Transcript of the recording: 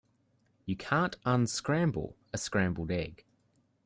You can't unscramble a scrambled egg.